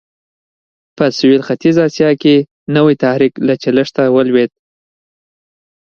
په سوېل ختیځه اسیا کې نوی تحرک له چلښته ولوېد.